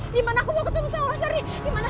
di mana aku mau ketemu sama mas ardi